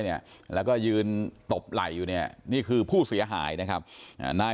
เนี่ยแล้วก็ยืนตบไหล่อยู่เนี่ยนี่คือผู้เสียหายนะครับนาย